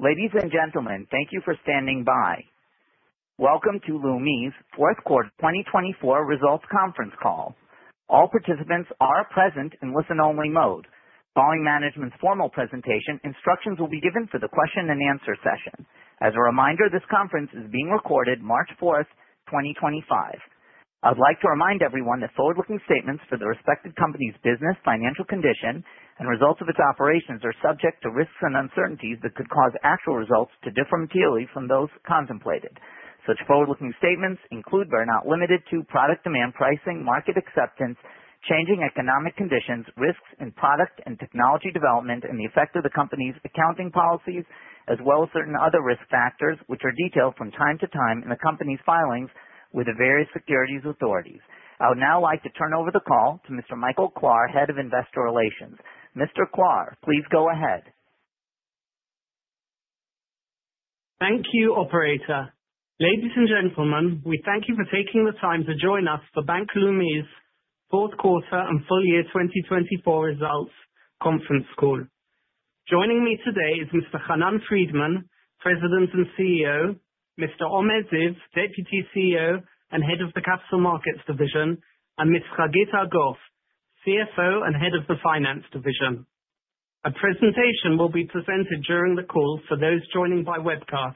Ladies and gentlemen, thank you for standing by. Welcome to Leumi's Fourth Quarter 2024 Results Conference Call. All participants are present in listen-only mode. Following management's formal presentation, instructions will be given for the question-and-answer session. As a reminder, this conference is being recorded March 4th, 2025. I'd like to remind everyone that forward-looking statements for the respective company's business, financial condition, and results of its operations are subject to risks and uncertainties that could cause actual results to differ materially from those contemplated. Such forward-looking statements include, but are not limited to, product demand, pricing, market acceptance, changing economic conditions, risks in product and technology development, and the effect of the company's accounting policies, as well as certain other risk factors, which are detailed from time to time in the company's filings with the various securities authorities. I would now like to turn over the call to Mr. Michael Klahr, Head of Investor Relations. Mr. Klahr, please go ahead. Thank you, Operator. Ladies and gentlemen, we thank you for taking the time to join us for Bank Leumi's Fourth Quarter and Full Year 2024 Results Conference Call. Joining me today is Mr. Hanan Friedman, President and CEO, Mr. Omer Ziv, Deputy CEO and Head of the Capital Markets Division, and Ms. Hagit Argov, CFO and Head of the Finance Division. A presentation will be presented during the call for those joining by webcast.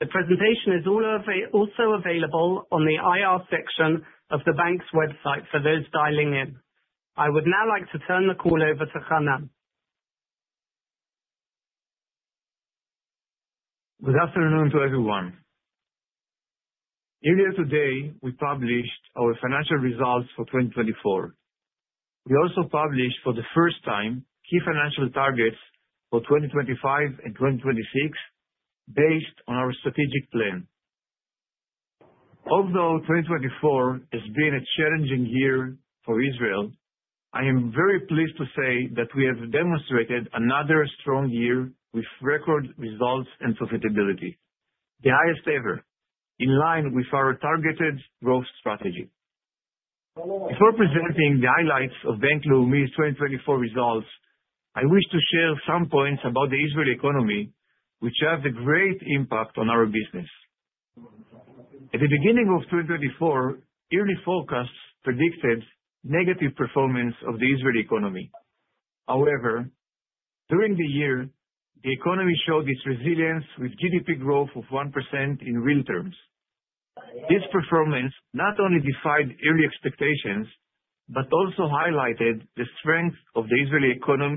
The presentation is also available on the IR section of the bank's website for those dialing in. I would now like to turn the call over to Hanan. Good afternoon to everyone. Earlier today, we published our financial results for 2024. We also published, for the first time, key financial targets for 2025 and 2026 based on our strategic plan. Although 2024 has been a challenging year for Israel, I am very pleased to say that we have demonstrated another strong year with record results and profitability, the highest ever, in line with our targeted growth strategy. Before presenting the highlights of Bank Leumi's 2024 results, I wish to share some points about the Israeli economy, which have a great impact on our business. At the beginning of 2024, early forecasts predicted negative performance of the Israeli economy. However, during the year, the economy showed its resilience with GDP growth of 1% in real terms. This performance not only defied early expectations but also highlighted the strength of the Israeli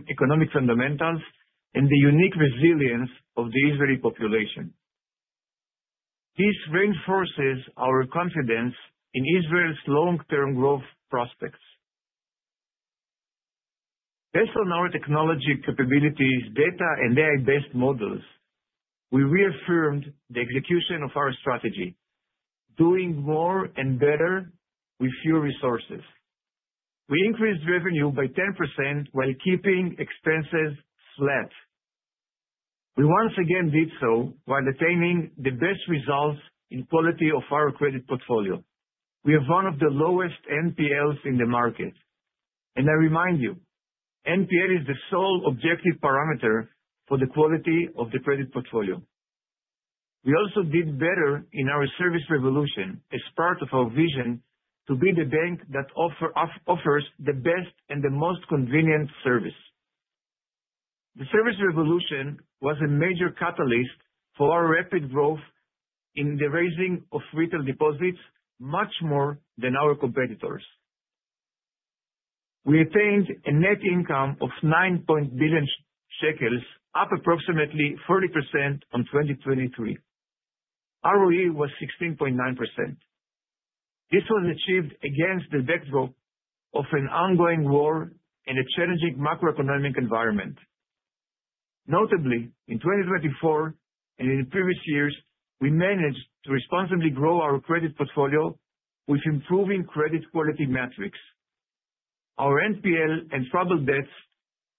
economic fundamentals and the unique resilience of the Israeli population. This reinforces our confidence in Israel's long-term growth prospects. Based on our technology capabilities, data, and AI-based models, we reaffirmed the execution of our strategy, doing more and better with fewer resources. We increased revenue by 10% while keeping expenses flat. We once again did so while attaining the best results in quality of our credit portfolio. We have one of the lowest NPLs in the market. And I remind you, NPL is the sole objective parameter for the quality of the credit portfolio. We also did better in our Service Revolution as part of our vision to be the bank that offers the best and the most convenient service. The Service Revolution was a major catalyst for our rapid growth in the raising of retail deposits much more than our competitors. We attained a net income of 9.1 billion shekels, up approximately 40% in 2023. ROE was 16.9%. This was achieved against the backdrop of an ongoing war and a challenging macroeconomic environment. Notably, in 2024 and in previous years, we managed to responsibly grow our credit portfolio with improving credit quality metrics. Our NPL and troubled debts,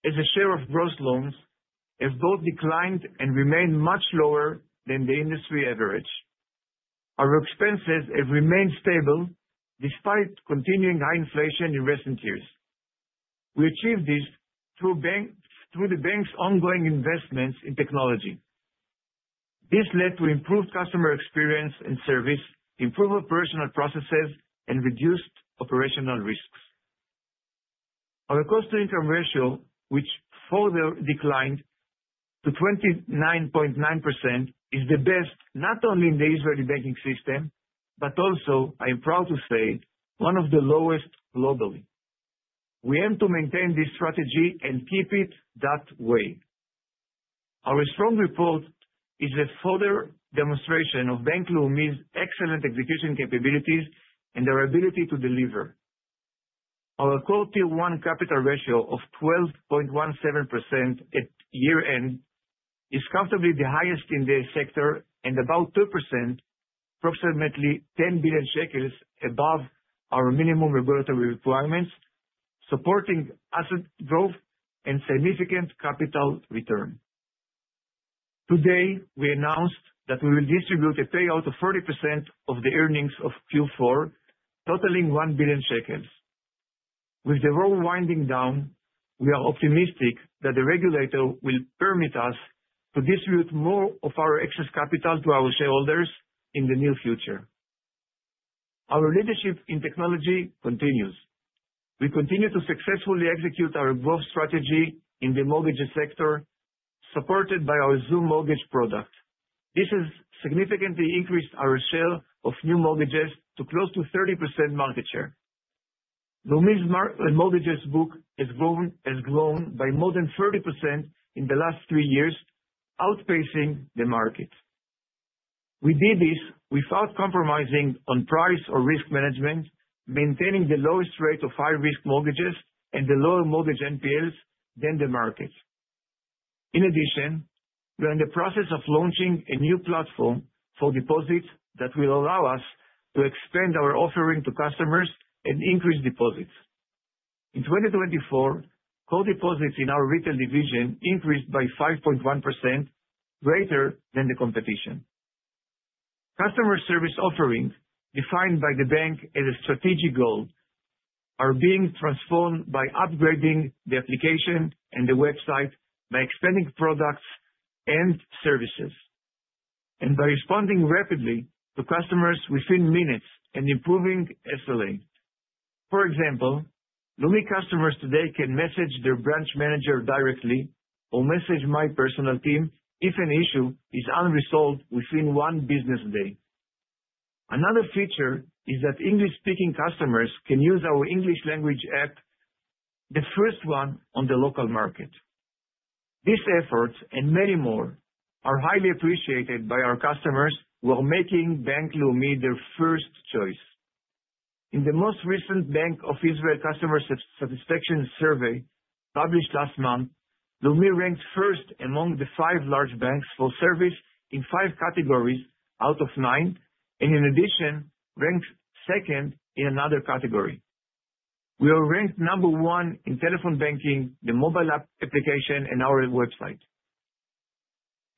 as a share of gross loans, have both declined and remained much lower than the industry average. Our expenses have remained stable despite continuing high inflation in recent years. We achieved this through the bank's ongoing investments in technology. This led to improved customer experience and service, improved operational processes, and reduced operational risks. Our cost-to-income ratio, which further declined to 29.9%, is the best not only in the Israeli banking system, but also, I am proud to say, one of the lowest globally. We aim to maintain this strategy and keep it that way. Our strong report is a further demonstration of Bank Leumi's excellent execution capabilities and our ability to deliver. Our Core Tier 1 capital ratio of 12.17% at year-end is comfortably the highest in the sector and about 2%, approximately 10 billion shekels, above our minimum regulatory requirements, supporting asset growth and significant capital return. Today, we announced that we will distribute a payout of 40% of the earnings of Q4, totaling 1 billion shekels. With the war winding down, we are optimistic that the regulator will permit us to distribute more of our excess capital to our shareholders in the near future. Our leadership in technology continues. We continue to successfully execute our growth strategy in the mortgage sector, supported by our Zoom mortgage product. This has significantly increased our share of new mortgages to close to 30% market share. Leumi's mortgages book has grown by more than 30% in the last three years, outpacing the market. We did this without compromising on price or risk management, maintaining the lowest rate of high-risk mortgages and the lower mortgage NPLs than the market. In addition, we are in the process of launching a new platform for deposits that will allow us to expand our offering to customers and increase deposits. In 2024, core deposits in our Retail Division increased by 5.1%, greater than the competition. Customer service offerings, defined by the bank as a strategic goal, are being transformed by upgrading the application and the website by expanding products and services, and by responding rapidly to customers within minutes and improving SLA. For example, Leumi customers today can message their branch manager directly or message my personal team if an issue is unresolved within one business day. Another feature is that English-speaking customers can use our English-language app, the first one on the local market. These efforts and many more are highly appreciated by our customers, who are making Bank Leumi their first choice. In the most recent Bank of Israel Customer Satisfaction Survey published last month, Leumi ranked first among the five large banks for service in five categories out of nine, and in addition, ranked second in another category. We are ranked number one in telephone banking, the mobile application, and our website.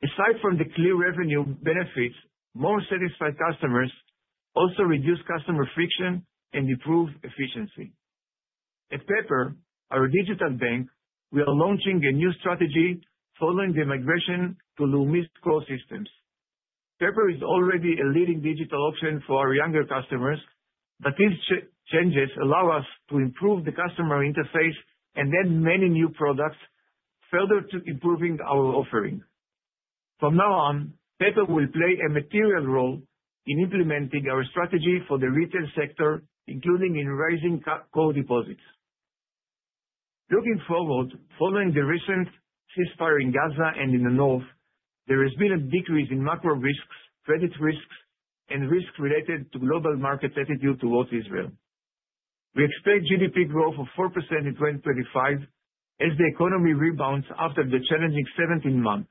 Aside from the clear revenue benefits, more satisfied customers also reduce customer friction and improve efficiency. At Pepper, our digital bank, we are launching a new strategy following the migration to Leumi's core systems. Pepper is already a leading digital option for our younger customers, but these changes allow us to improve the customer interface and add many new products, further improving our offering. From now on, Pepper will play a material role in implementing our strategy for the retail sector, including in raising core deposits. Looking forward, following the recent ceasefire in Gaza and in the North, there has been a decrease in macro risks, credit risks, and risks related to global market attitude towards Israel. We expect GDP growth of 4% in 2025 as the economy rebounds after the challenging 17 months.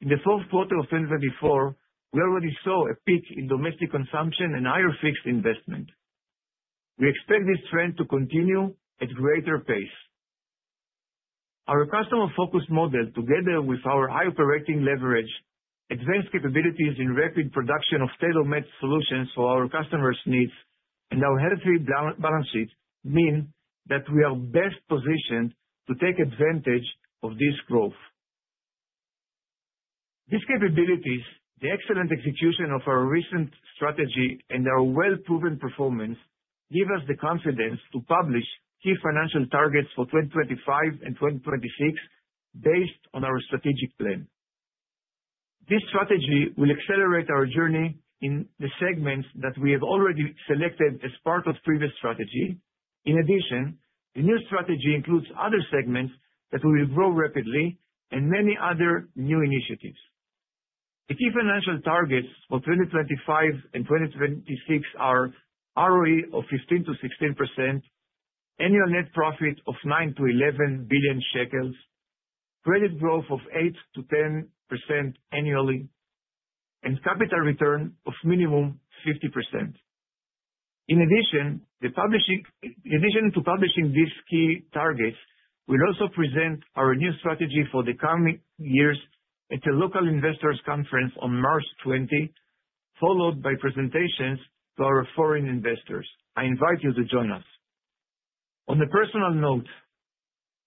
In the fourth quarter of 2024, we already saw a peak in domestic consumption and higher fixed investment. We expect this trend to continue at a greater pace. Our customer-focused model, together with our high operating leverage, advanced capabilities in rapid production of tailor-made solutions for our customers' needs, and our healthy balance sheet mean that we are best positioned to take advantage of this growth. These capabilities, the excellent execution of our recent strategy, and our well-proven performance give us the confidence to publish key financial targets for 2025 and 2026 based on our strategic plan. This strategy will accelerate our journey in the segments that we have already selected as part of the previous strategy. In addition, the new strategy includes other segments that will grow rapidly and many other new initiatives. The key financial targets for 2025 and 2026 are ROE of 15%-16%, annual net profit of nine-11 billion ILS, credit growth of 8%-10% annually, and capital return of minimum 50%. In addition to publishing these key targets, we'll also present our new strategy for the coming years at the Local Investors' Conference on March 20, followed by presentations to our foreign investors. I invite you to join us. On a personal note,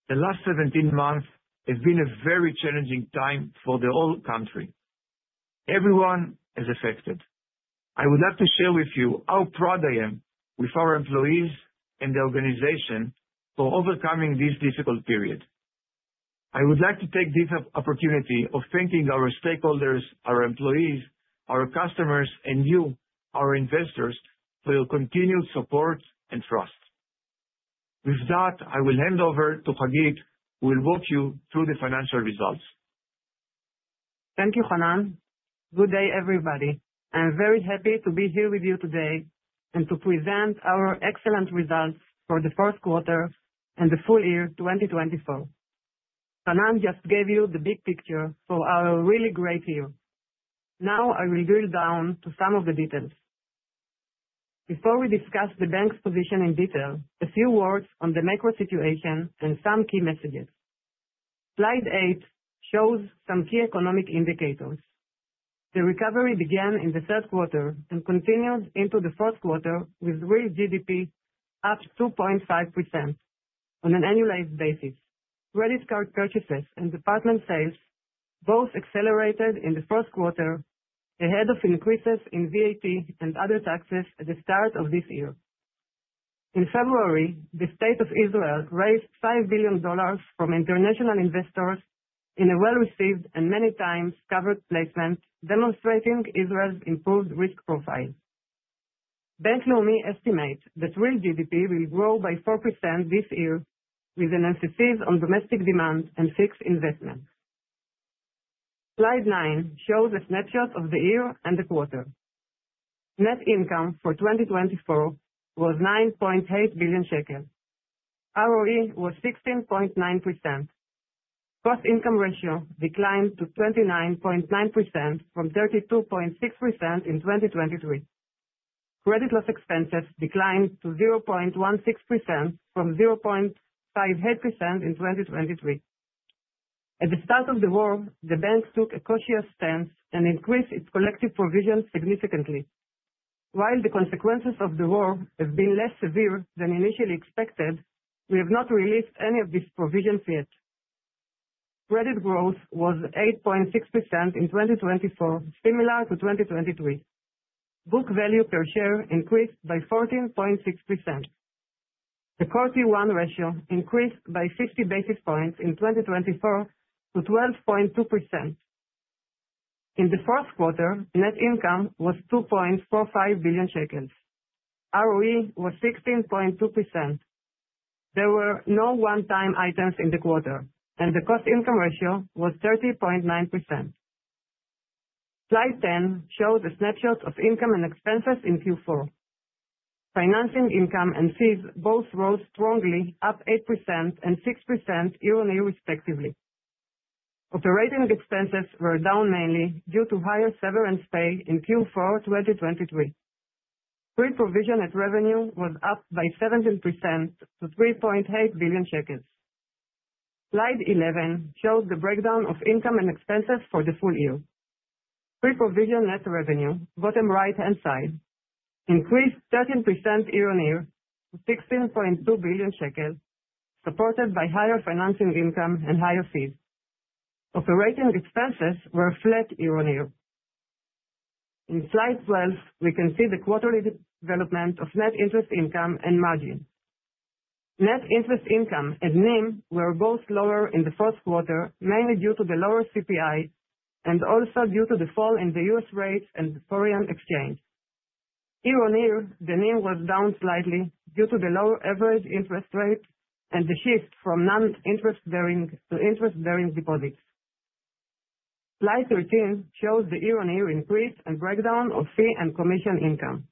the last 17 months have been a very challenging time for the whole country. Everyone is affected. I would like to share with you how proud I am with our employees and the organization for overcoming this difficult period. I would like to take this opportunity of thanking our stakeholders, our employees, our customers, and you, our investors, for your continued support and trust. With that, I will hand over to Hagit, who will walk you through the financial results. Thank you, Hanan. Good day, everybody. I'm very happy to be here with you today and to present our excellent results for the fourth quarter and the full year 2024. Hanan just gave you the big picture for our really great year. Now, I will drill down to some of the details. Before we discuss the bank's position in detail, a few words on the macro situation and some key messages. Slide 8 shows some key economic indicators. The recovery began in the third quarter and continued into the fourth quarter with real GDP up 2.5% on an annualized basis. Credit card purchases and apartment sales both accelerated in the fourth quarter ahead of increases in VAT and other taxes at the start of this year. In February, the State of Israel raised $5 billion from international investors in a well-received and many times covered placement, demonstrating Israel's improved risk profile. Bank Leumi estimates that real GDP will grow by 4% this year with an emphasis on domestic demand and fixed investments. Slide 9 shows a snapshot of the year and the quarter. Net income for 2024 was 9.8 billion shekels. ROE was 16.9%. Cost-to-income ratio declined to 29.9% from 32.6% in 2023. Credit loss expenses declined to 0.16% from 0.58% in 2023. At the start of the war, the bank took a cautious stance and increased its collective provision significantly. While the consequences of the war have been less severe than initially expected, we have not released any of these provisions yet. Credit growth was 8.6% in 2024, similar to 2023. Book value per share increased by 14.6%. Core Tier 1 ratio increased by 50 basis points in 2024 to 12.2%. In the fourth quarter, net income was 2.45 billion shekels. ROE was 16.2%. There were no one-time items in the quarter, and the cost-to-income ratio was 30.9%. Slide 10 shows a snapshot of income and expenses in Q4. Financing income and fees both rose strongly, up 8% and 6% year-on-year, respectively. Operating expenses were down mainly due to higher severance pay in Q4 2023. Pre-provision net revenue was up by 17% to 3.8 billion shekels. Slide 11 shows the breakdown of income and expenses for the full year. Pre-provision net revenue, bottom right-hand side, increased 13% year-on-year to 16.2 billion shekels, supported by higher financing income and higher fees. Operating expenses were flat year-on-year. In Slide 12, we can see the quarterly development of net interest income and margin. Net interest income and NIM were both lower in the fourth quarter, mainly due to the lower CPI and also due to the fall in the U.S. rates and the shekel exchange. Year-on-year, the NIM was down slightly due to the lower average interest rate and the shift from non-interest-bearing to interest-bearing deposits. Slide 13 shows the year-on-year increase and breakdown of fee and commission income.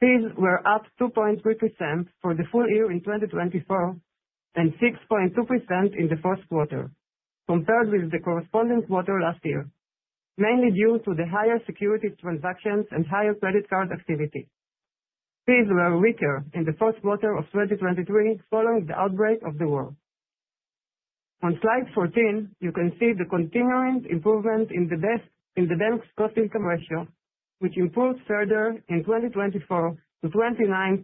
Fees were up 2.3% for the full year in 2024 and 6.2% in the fourth quarter, compared with the corresponding quarter last year, mainly due to the higher securities transactions and higher credit card activity. Fees were weaker in the fourth quarter of 2023 following the outbreak of the war. On Slide 14, you can see the continuing improvement in the bank's cost-to-income ratio, which improved further in 2024 to 29.9%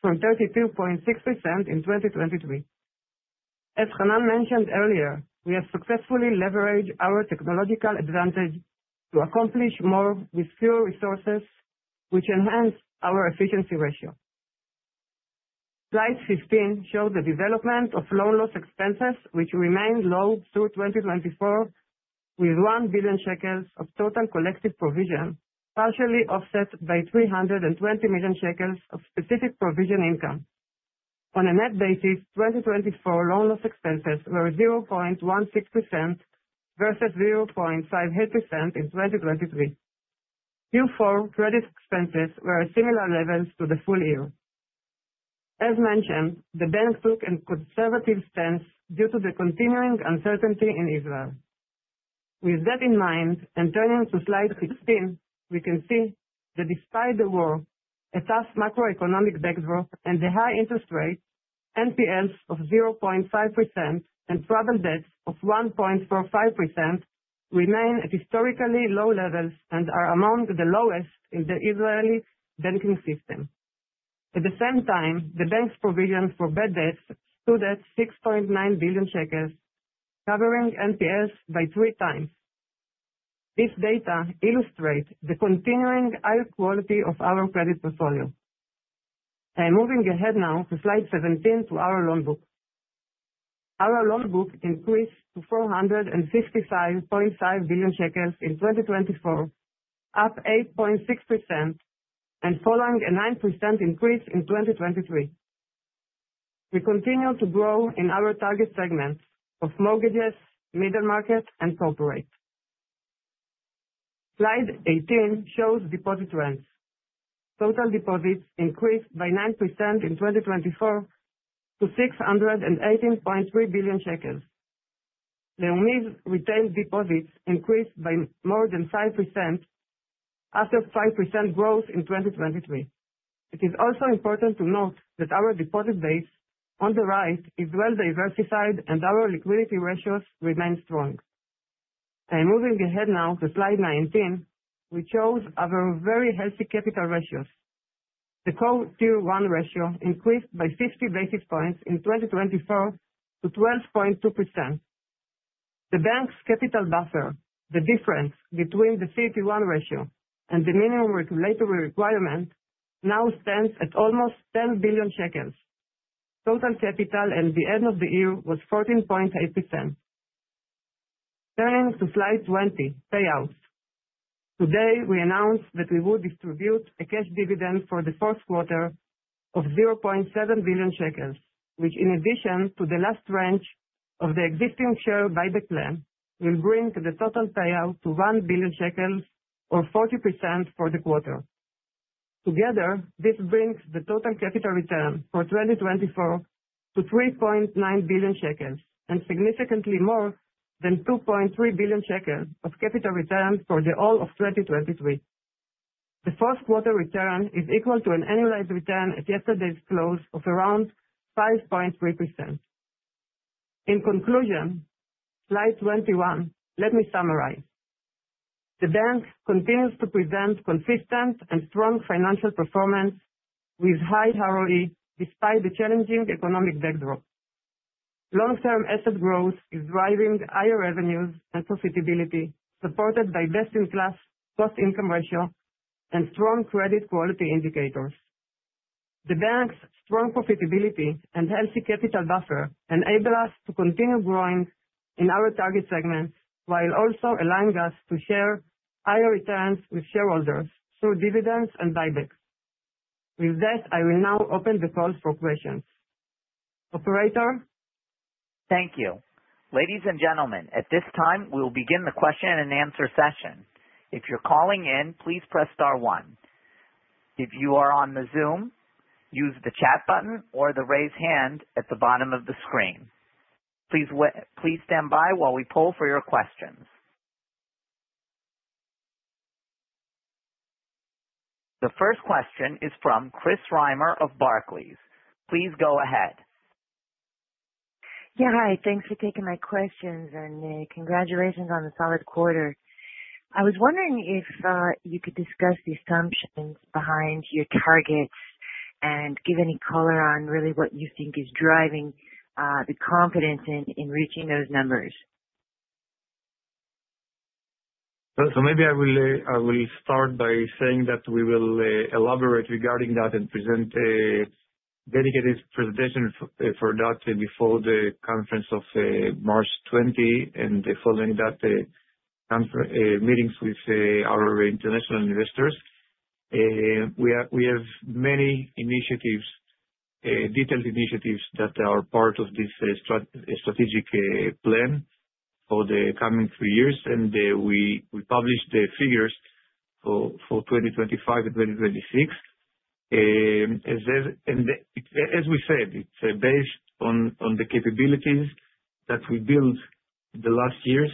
from 32.6% in 2023. As Hanan mentioned earlier, we have successfully leveraged our technological advantage to accomplish more with fewer resources, which enhanced our efficiency ratio. Slide 15 shows the development of loan loss expenses, which remained low through 2024, with 1 billion shekels of total collective provision, partially offset by 320 million shekels of specific provision income. On a net basis, 2024 loan loss expenses were 0.16% versus 0.58% in 2023. Q4 credit expenses were at similar levels to the full year. As mentioned, the bank took a conservative stance due to the continuing uncertainty in Israel. With that in mind and turning to Slide 16, we can see that despite the war, a tough macroeconomic backdrop and the high interest rates, NPLs of 0.5% and troubled debts of 1.45% remain at historically low levels and are among the lowest in the Israeli banking system. At the same time, the bank's provision for bad debts stood at 6.9 billion shekels, covering NPLs by three times. This data illustrates the continuing high quality of our credit portfolio. I'm moving ahead now to Slide 17 to our loan book. Our loan book increased to 455.5 billion shekels in 2024, up 8.6% and following a 9% increase in 2023. We continue to grow in our target segments of mortgages, middle market, and corporate. Slide 18 shows deposit trends. Total deposits increased by 9% in 2024 to 618.3 billion shekels. Leumi's retail deposits increased by more than 5% after 5% growth in 2023. It is also important to note that our deposit base on the right is well-diversified and our liquidity ratios remain strong. I'm moving ahead now to Slide 19, which shows our very healthy capital ratios. The Core Tier 1 ratio increased by 50 basis points in 2024 to 12.2%. The bank's capital buffer, the difference between the Tier 1 ratio and the minimum regulatory requirement, now stands at almost 10 billion shekels. Total capital at the end of the year was 14.8%. Turning to Slide 20, Payouts. Today, we announced that we would distribute a cash dividend for the fourth quarter of 0.7 billion shekels, which, in addition to the last range of the existing share buyback plan, will bring the total payout to 1 billion shekels, or 40% for the quarter. Together, this brings the total capital return for 2024 to 3.9 billion shekels and significantly more than 2.3 billion shekels of capital return for the whole of 2023. The fourth quarter return is equal to an annualized return at yesterday's close of around 5.3%. In conclusion, Slide 21, let me summarize. The bank continues to present consistent and strong financial performance with high ROE despite the challenging economic backdrop. Long-term asset growth is driving higher revenues and profitability, supported by best-in-class cost-to-income ratio and strong credit quality indicators. The bank's strong profitability and healthy capital buffer enable us to continue growing in our target segments while also allowing us to share higher returns with shareholders through dividends and buybacks. With that, I will now open the call for questions. Operator? Thank you. Ladies and gentlemen, at this time, we'll begin the question-and-answer session. If you're calling in, please press star one. If you are on the Zoom, use the chat button or the raise hand at the bottom of the screen. Please stand by while we poll for your questions. The first question is from Chris Reimer of Barclays. Please go ahead. Yeah, hi. Thanks for taking my questions and congratulations on the solid quarter. I was wondering if you could discuss the assumptions behind your targets and give any color on really what you think is driving the confidence in reaching those numbers? So maybe I will start by saying that we will elaborate regarding that and present a dedicated presentation for that before the Conference of March 20 and following that meetings with our international investors. We have many initiatives, detailed initiatives that are part of this strategic plan for the coming three years, and we published the figures for 2025 and 2026. As we said, it's based on the capabilities that we built in the last years.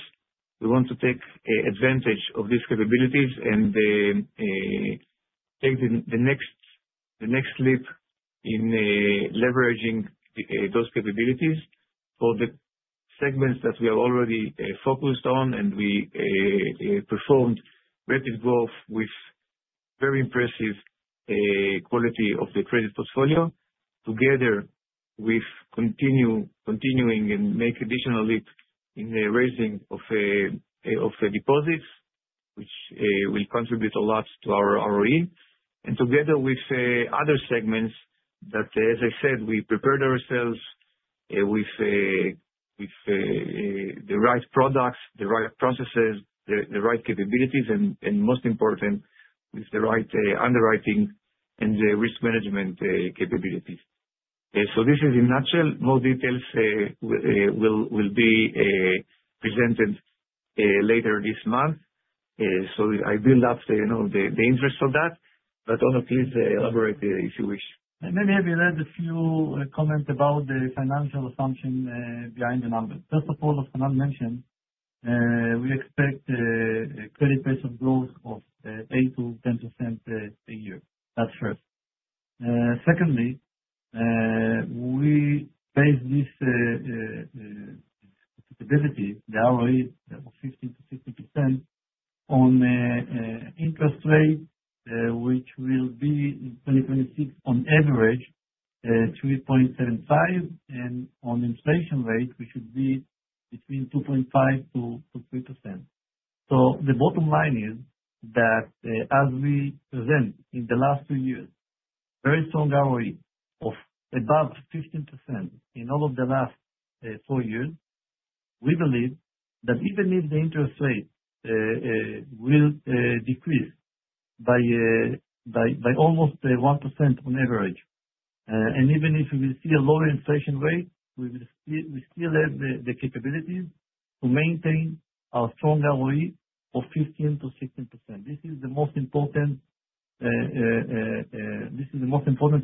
We want to take advantage of these capabilities and take the next leap in leveraging those capabilities for the segments that we have already focused on and we performed rapid growth with very impressive quality of the credit portfolio together with continuing and making additional leaps in the raising of deposits, which will contribute a lot to our ROE. Together with other segments that, as I said, we prepared ourselves with the right products, the right processes, the right capabilities, and most importantly, with the right underwriting and risk management capabilities. This is in a nutshell. More details will be presented later this month. I build up the interest in that, but Omer, please elaborate if you wish. Maybe I will add a few comments about the financial assumption behind the numbers. First of all, as Hanan mentioned, we expect a credit-based growth of 8-10% a year. That's first. Secondly, we base this stability, the ROE of 15-16%, on interest rate, which will be in 2026, on average, 3.75%, and on inflation rate, which should be between 2.5%-3%. So the bottom line is that as we present in the last two years, very strong ROE of above 15% in all of the last four years, we believe that even if the interest rate will decrease by almost 1% on average, and even if we see a lower inflation rate, we still have the capabilities to maintain our strong ROE of 15-16%. This is the most important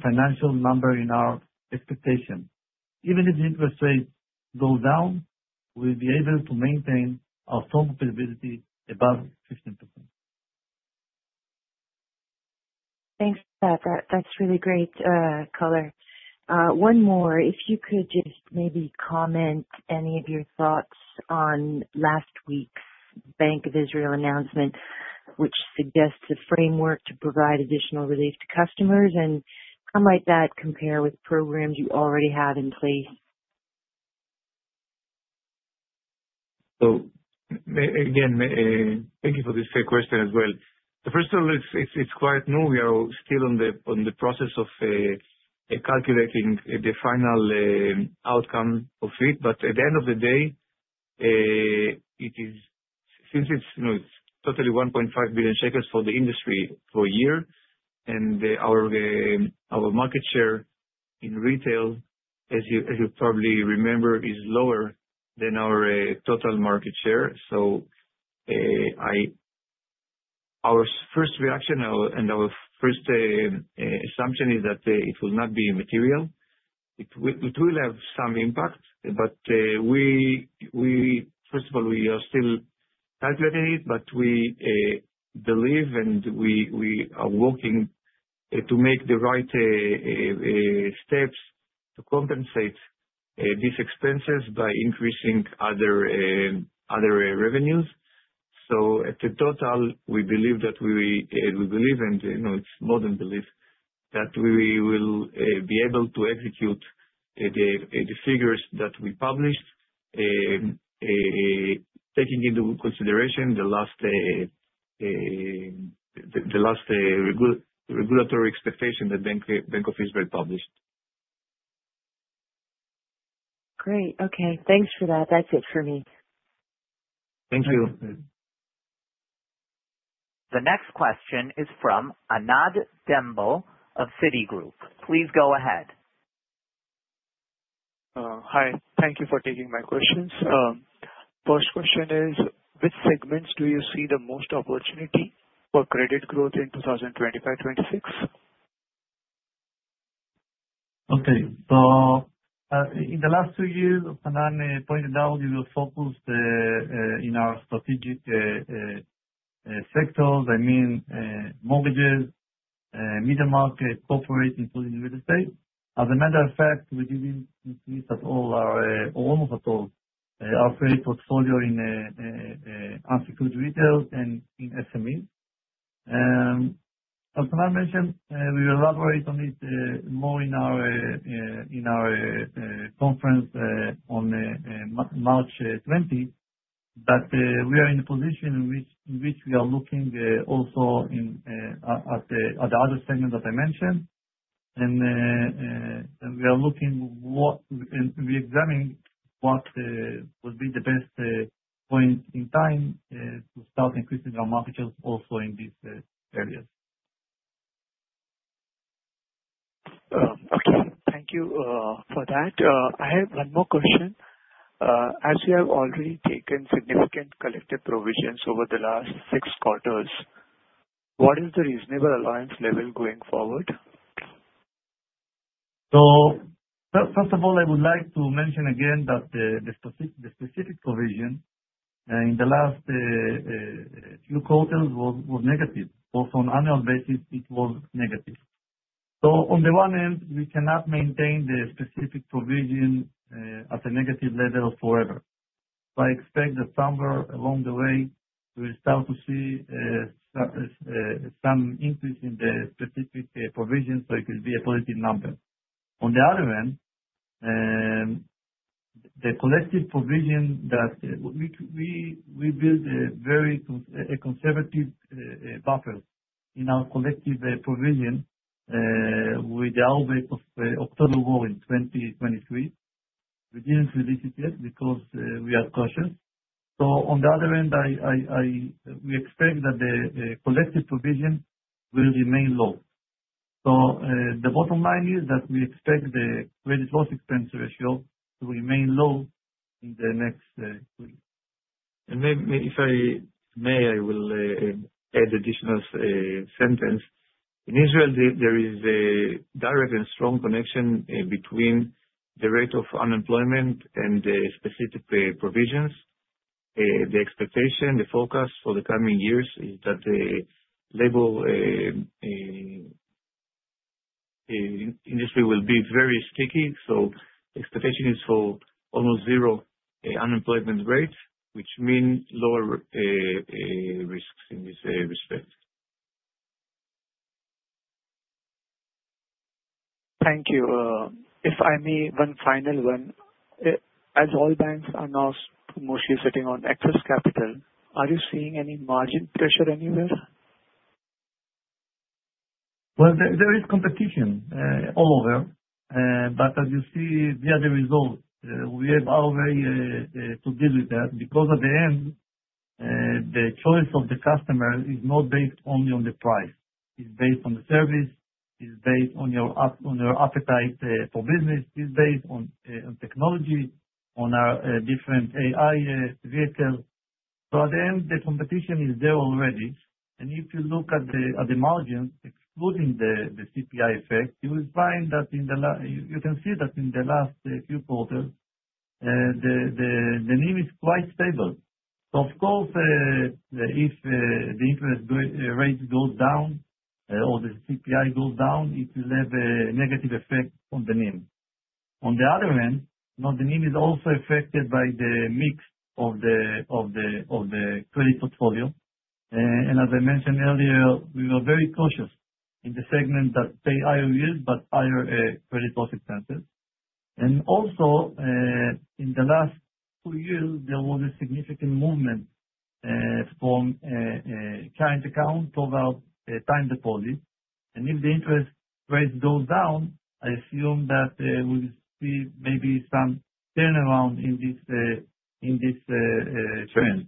financial number in our expectation. Even if the interest rate goes down, we'll be able to maintain our strong capability above 15%. Thanks for that. That's really great color. One more. If you could just maybe comment any of your thoughts on last week's Bank of Israel announcement, which suggests a framework to provide additional relief to customers, and how might that compare with programs you already have in place? So again, thank you for this question as well. First of all, it's quite new. We are still in the process of calculating the final outcome of it, but at the end of the day, since it's totally 1.5 billion shekels for the industry for a year, and our market share in retail, as you probably remember, is lower than our total market share. So our first reaction and our first assumption is that it will not be material. It will have some impact, but first of all, we are still calculating it, but we believe and we are working to make the right steps to compensate these expenses by increasing other revenues. So in total, we believe that we believe, and it's modest belief, that we will be able to execute the figures that we published, taking into consideration the last regulatory expectation that Bank of Israel published. Great. Okay. Thanks for that. That's it for me. Thank you. The next question is from Anand Dembo of Citigroup. Please go ahead. Hi. Thank you for taking my questions. First question is, which segments do you see the most opportunity for credit growth in 2025-2026? Okay. So in the last two years, Hanan pointed out, we were focused in our strategic sectors, I mean mortgages, middle market, corporate, including real estate. As a matter of fact, we didn't increase at all or almost at all our credit portfolio in unsecured retail and in SMEs. As Hanan mentioned, we will elaborate on it more in our conference on March 20, but we are in a position in which we are looking also at the other segment that I mentioned, and we are looking and re-examining what would be the best point in time to start increasing our market shares also in these areas. Okay. Thank you for that. I have one more question. As you have already taken significant collective provisions over the last six quarters, what is the reasonable allowance level going forward? So first of all, I would like to mention again that the specific provision in the last few quarters was negative. Also on annual basis, it was negative. So on the one end, we cannot maintain the specific provision at a negative level forever. So I expect that somewhere along the way, we will start to see some increase in the specific provision, so it will be a positive number. On the other end, the collective provision that we built a very conservative buffer in our collective provision with the outbreak of October war in 2023. We didn't release it yet because we are cautious. So on the other end, we expect that the collective provision will remain low. So the bottom line is that we expect the credit loss expense ratio to remain low in the next three. If I may, I will add an additional sentence. In Israel, there is a direct and strong connection between the rate of unemployment and the specific provisions. The expectation, the focus for the coming years is that the labor industry will be very sticky, so the expectation is for almost zero unemployment rates, which means lower risks in this respect. Thank you. If I may, one final one. As all banks are now mostly sitting on excess capital, are you seeing any margin pressure anywhere? There is competition all over, but as you see, we are the result. We have our way to deal with that because at the end, the choice of the customer is not based only on the price. It's based on the service. It's based on your appetite for business. It's based on technology, on our different AI vehicles. At the end, the competition is there already. If you look at the margins, excluding the CPI effect, you will find that you can see that in the last few quarters, the NIM is quite stable. Of course, if the interest rate goes down or the CPI goes down, it will have a negative effect on the NIM. On the other end, the NIM is also affected by the mix of the credit portfolio. As I mentioned earlier, we were very cautious in the segment that paid higher yields but higher credit loss expenses. Also, in the last two years, there was a significant movement from current accounts to time deposits. If the interest rate goes down, I assume that we will see maybe some turnaround in this trend.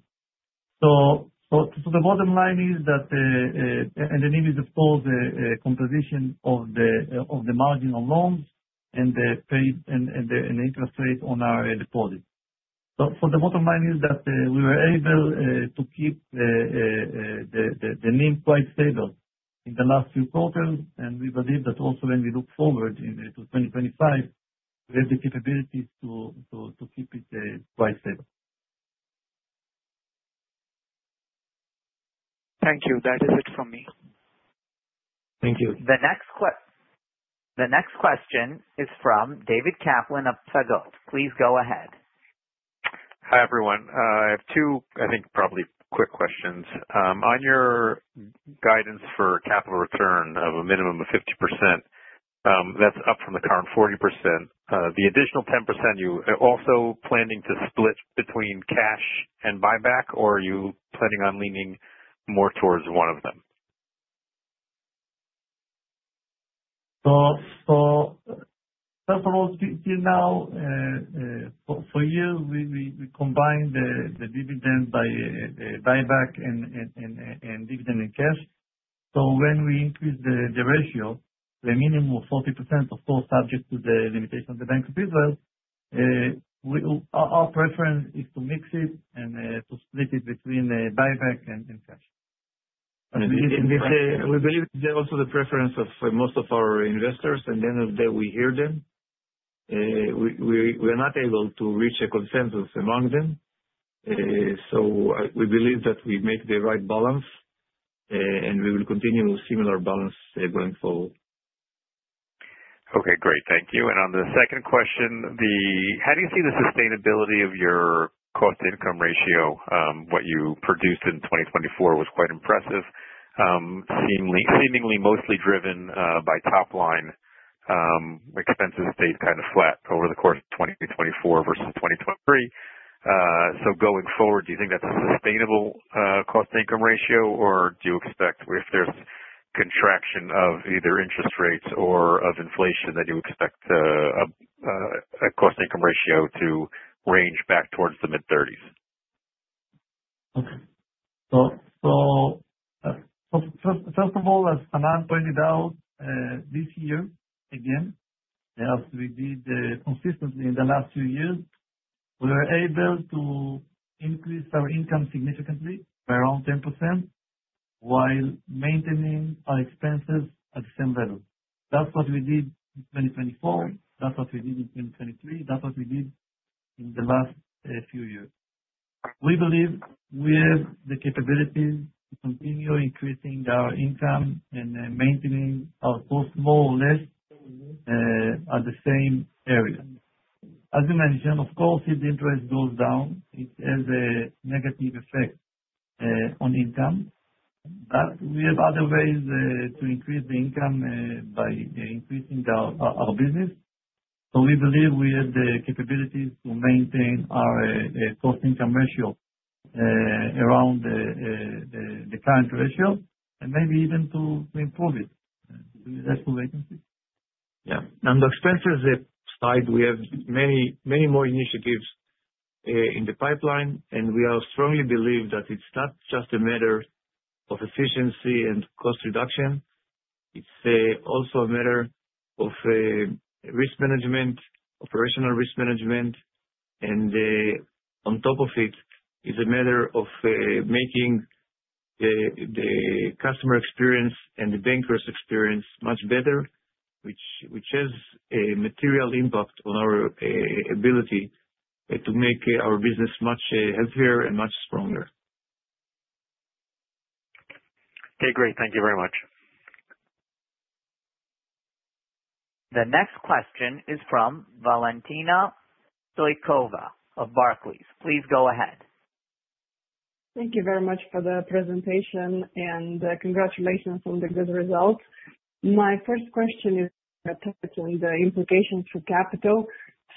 The bottom line is that the NIM is, of course, a composition of the margin on loans and the interest rate on our deposits. The bottom line is that we were able to keep the NIM quite stable in the last few quarters, and we believe that also when we look forward to 2025, we have the capabilities to keep it quite stable. Thank you. That is it for me. Thank you. The next question is from David Kaplan of Psagot. Please go ahead. Hi everyone. I have two, I think, probably quick questions. On your guidance for capital return of a minimum of 50%, that's up from the current 40%. The additional 10%, are you also planning to split between cash and buyback, or are you planning on leaning more towards one of them? So, first of all, till now, for years, we combined the dividend by buyback and dividend in cash. So, when we increase the ratio, the minimum of 40%, of course, subject to the limitation of the Bank of Israel, our preference is to mix it and to split it between buyback and cash. We believe there's also the preference of most of our investors, and then we hear them. We are not able to reach a consensus among them. So we believe that we make the right balance, and we will continue similar balance going forward. Okay. Great. Thank you and on the second question, how do you see the sustainability of your cost-to-income ratio? What you produced in 2024 was quite impressive, seemingly mostly driven by top-line expenses stayed kind of flat over the course of 2024 versus 2023. So going forward, do you think that's a sustainable cost-to-income ratio, or do you expect if there's contraction of either interest rates or of inflation that you expect a cost-to-income ratio to range back towards the mid-30s? Okay. So first of all, as Hanan pointed out, this year, again, as we did consistently in the last few years, we were able to increase our income significantly by around 10% while maintaining our expenses at the same level. That's what we did in 2024. That's what we did in 2023. That's what we did in the last few years. We believe we have the capability to continue increasing our income and maintaining our cost more or less at the same level. As you mentioned, of course, if the interest goes down, it has a negative effect on income. But we have other ways to increase the income by increasing our business. So we believe we have the capabilities to maintain our cost-to-income ratio around the current ratio and maybe even to improve it with efficiencies. Yeah. On the expenses side, we have many more initiatives in the pipeline, and we strongly believe that it's not just a matter of efficiency and cost reduction. It's also a matter of risk management, operational risk management, and on top of it, it's a matter of making the customer experience and the bankers' experience much better, which has a material impact on our ability to make our business much healthier and much stronger. Okay. Great. Thank you very much. The next question is from Valentina Stoykova of Barclays. Please go ahead. Thank you very much for the presentation, and congratulations on the good results. My first question is titled, "The Implications for Capital."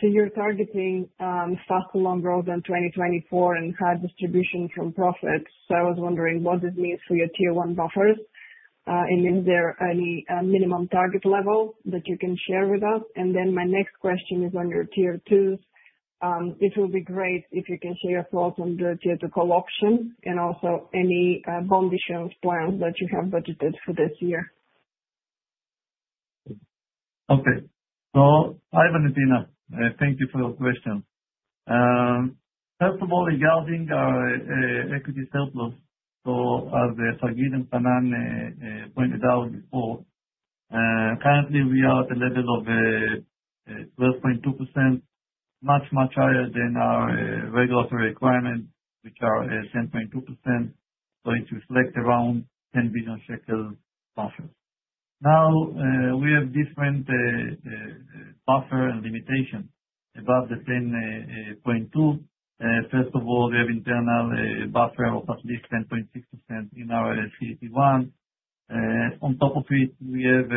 So you're targeting faster loan growth in 2024 and higher distribution from profits. So I was wondering what this means for your Tier 1 buffers, and is there any minimum target level that you can share with us? And then my next question is on your Tier 2s. It will be great if you can share your thoughts on the Tier 2 call option and also any bond issuance plans that you have budgeted for this year. Okay, so hi, Valentina. Thank you for your question. First of all, regarding our equity capital ratio, so as Hagit and Hanan pointed out before, currently we are at a level of 12.2%, much, much higher than our regulatory requirement, which are 10.2%, so it reflects around ILS 10 billion buffers. Now, we have different buffer and limitations above the 10.2%. First of all, we have internal buffer of at least 10.6% in our CT1. On top of it, we have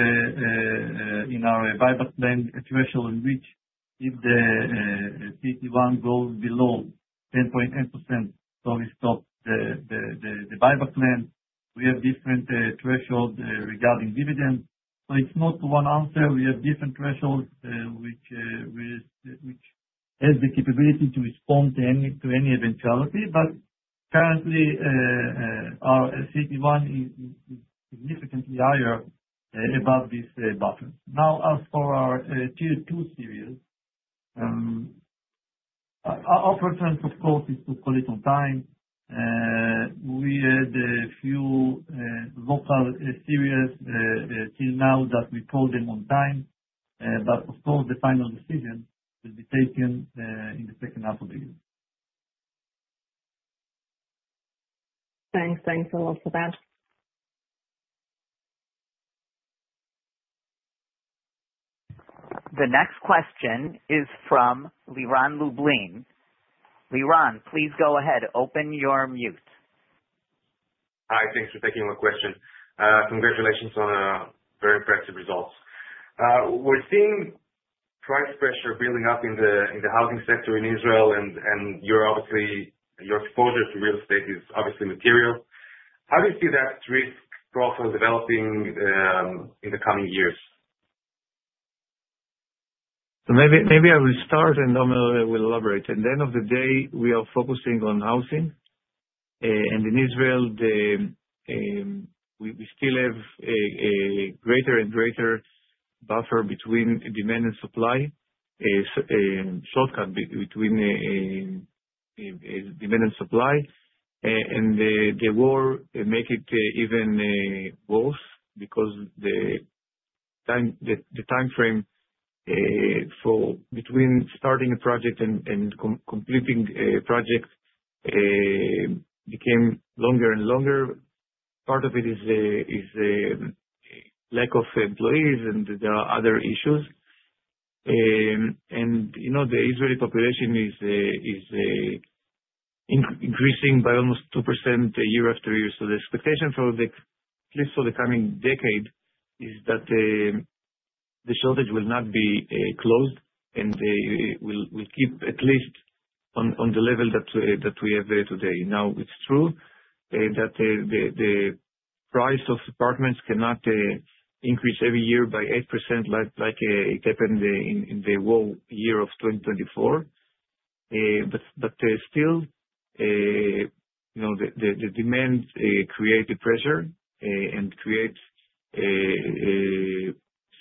in our buyback plan a threshold in which if the CT1 goes below 10.8%, so we stop the buyback plan. We have different thresholds regarding dividends, so it's not one answer. We have different thresholds which have the capability to respond to any eventuality, but currently, our CT1 is significantly higher above these buffers. Now, as for our Tier 2 series, our preference, of course, is to call it on time. We had a few local series till now that we called them on time. But of course, the final decision will be taken in the second half of the year. Thanks. Thanks a lot for that. The next question is from Liran Lublin. Liran, please go ahead. Open your mute. Hi. Thanks for taking my question. Congratulations on very impressive results. We're seeing price pressure building up in the housing sector in Israel, and your exposure to real estate is obviously material. How do you see that risk profile developing in the coming years? So maybe I will start, and then we'll elaborate. At the end of the day, we are focusing on housing. And in Israel, we still have a greater and greater buffer between demand and supply, shortage between demand and supply. And the war makes it even worse because the time frame between starting a project and completing a project became longer and longer. Part of it is lack of employees, and there are other issues. And the Israeli population is increasing by almost 2% year after year. So the expectation for at least for the coming decade is that the shortage will not be closed and will keep at least on the level that we have today. Now, it's true that the price of apartments cannot increase every year by 8% like it happened in the war year of 2024. But still, the demand creates the pressure and creates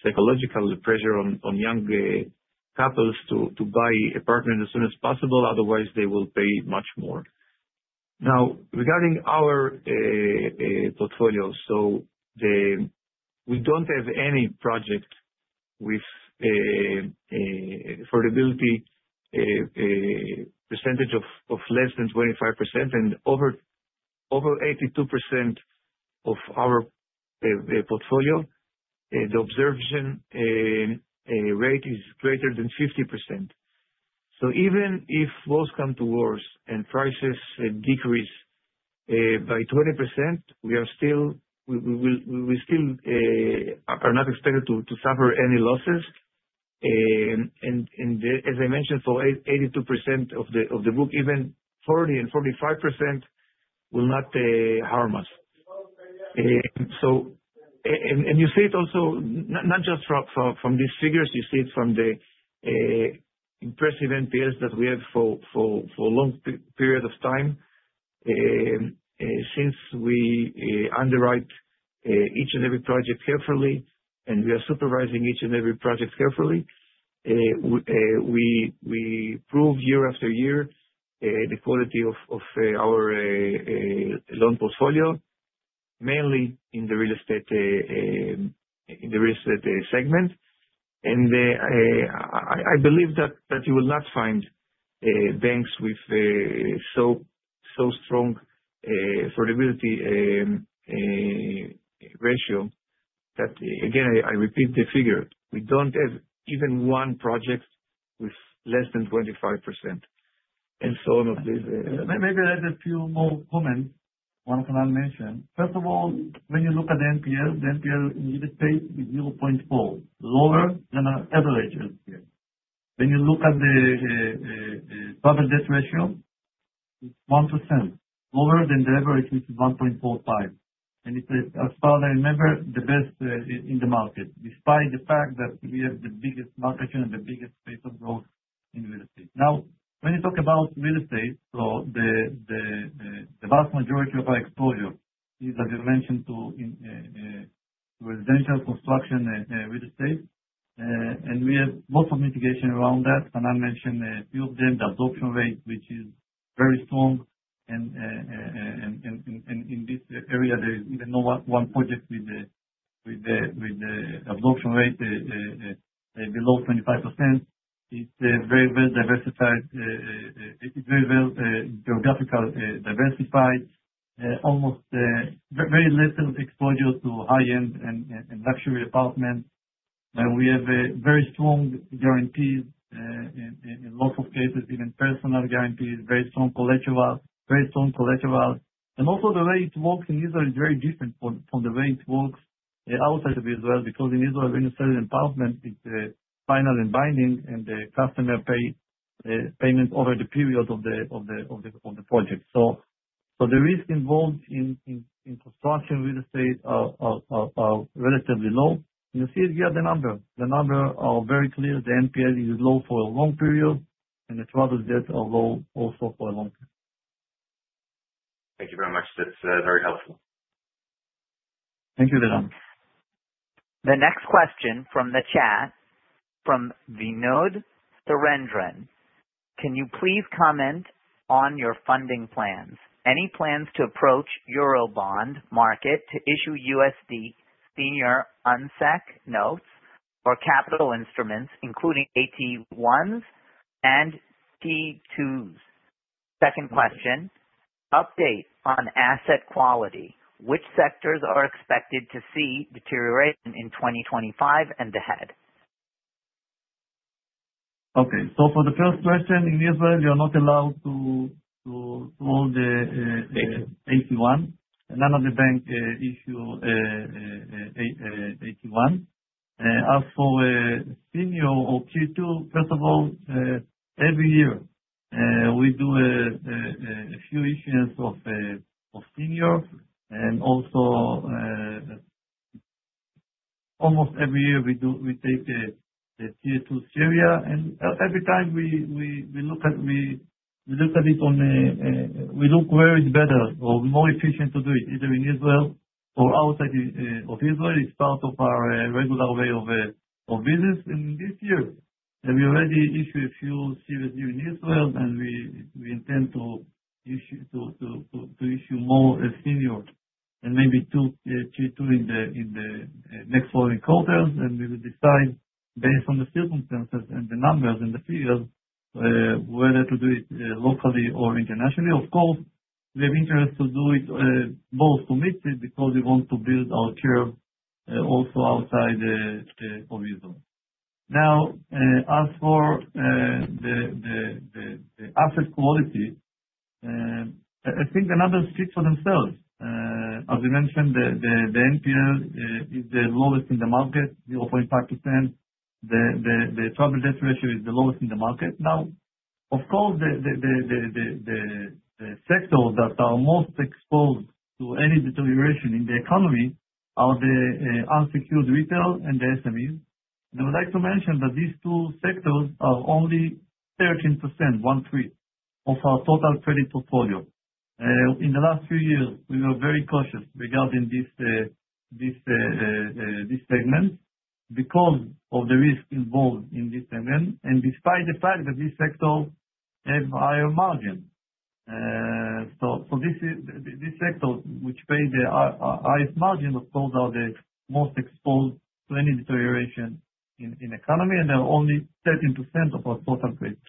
psychological pressure on young couples to buy apartments as soon as possible. Otherwise, they will pay much more. Now, regarding our portfolio, so we don't have any project with affordability percentage of less than 25%. And over 82% of our portfolio, the absorption rate is greater than 50%. So even if wars come to war and prices decrease by 20%, we will still are not expected to suffer any losses. And as I mentioned, for 82% of the book, even 40% and 45% will not harm us. And you see it also not just from these figures. You see it from the impressive NPLs that we have for a long period of time since we underwrite each and every project carefully, and we are supervising each and every project carefully. We prove year after year the quality of our loan portfolio, mainly in the real estate segment. And I believe that you will not find banks with so strong affordability ratio that, again, I repeat the figure, we don't have even one project with less than 25%. And so maybe I have a few more comments I want Hanan to mention. First of all, when you look at the NPL, the NPL in real estate is 0.4%, lower than our average NPL. When you look at the problematic debt ratio, it's 1%, lower than the average, which is 1.45%. And as far as I remember, the best in the market, despite the fact that we have the biggest market share and the biggest rate of growth in real estate. Now, when you talk about real estate, so the vast majority of our exposure is, as you mentioned, to residential construction real estate. And we have lots of mitigation around that. Hanan mentioned a few of them, the absorption rate, which is very strong. And in this area, there is even one project with the absorption rate below 25%. It's very well diversified. It's very well geographically diversified. Almost very little exposure to high-end and luxury apartments. We have very strong guarantees in lots of cases, even personal guarantees, very strong collateral, very strong collateral. And also the way it works in Israel is very different from the way it works outside of Israel because in Israel, when you sell an apartment, it's final and binding, and the customer pays payment over the period of the project. So the risk involved in construction real estate are relatively low. You see it here at the number. The numbers are very clear. The NPL is low for a long period, and the property debts are low also for a long period. Thank you very much. That's very helpful. Thank you, Liran. The next question from the chat from Vinod Surendran. Can you please comment on your funding plans? Any plans to approach Eurobond market to issue USD senior unsecured notes or capital instruments, including AT1s and T2s? Second question, update on asset quality. Which sectors are expected to see deterioration in 2025 and ahead? Okay. So for the first question, in Israel, you are not allowed to hold the AT1. None of the banks issue AT1. As for senior or T2, first of all, every year, we do a few issuance of senior. And also, almost every year, we take the T2 series. And every time we look at it, we look where it's better or more efficient to do it, either in Israel or outside of Israel. It's part of our regular way of business. And this year, we already issued a few series here in Israel, and we intend to issue more senior and maybe two T2 in the next following quarters. And we will decide, based on the circumstances and the numbers and the figures, whether to do it locally or internationally. Of course, we have interest to do it both to meet it because we want to build our curve also outside of Israel. Now, as for the asset quality, I think the numbers speak for themselves. As we mentioned, the NPL is the lowest in the market, 0.5%. The property debt ratio is the lowest in the market. Now, of course, the sectors that are most exposed to any deterioration in the economy are the unsecured retail and the SMEs. And I would like to mention that these two sectors are only 13%, one-third, of our total credit portfolio. In the last few years, we were very cautious regarding this segment because of the risk involved in this segment. Despite the fact that these sectors have higher margins, so these sectors which pay the highest margin, of course, are the most exposed to any deterioration in the economy, and they are only 13% of our total credit.